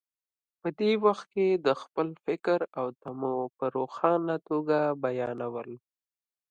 په دې وخت کې د خپل فکر او تمو په روښانه توګه بیانول.